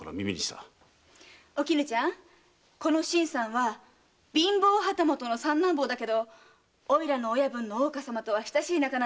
おきぬちゃん新さんは貧乏旗本の三男坊だけどおいらの親分の大岡様とは親しい仲なんだよ。